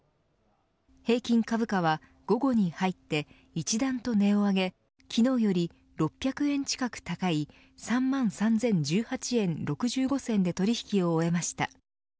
平均株価は午後に入って一段と値を上げ昨日より６００円近く高い３万３０１８円６５銭で取引を終えました。